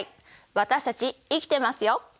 私たち生きてますよ。